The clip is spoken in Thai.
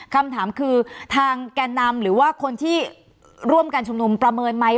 คำถามคือทางแก่นำหรือว่าคนที่ร่วมการชุมนุมประเมินไหม